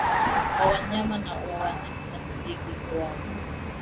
kwa wanyama wa wanyama hadi ndege kwa